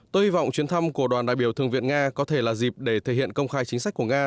tôi hy vọng chuyến thăm của đoàn đại biểu thượng viện nga có thể là dịp để thể hiện công khai chính sách của nga